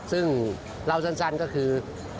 ซึ่งเล่าสั้นก็คือ